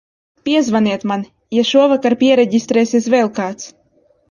Piezvaniet man, ja šovakar piereģistrēsies vēl kāds.